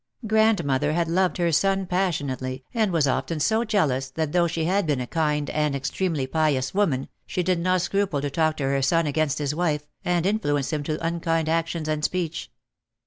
Grandmother had loved her son passionately and was often so jealous that though she had been a kind and extremely pious woman she did not scruple to talk to her son against his wife and influence him to unkind actions and speech.